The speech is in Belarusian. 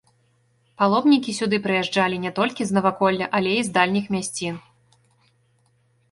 Паломнікі сюды прыязджалі не толькі з наваколля, але і з дальніх мясцін.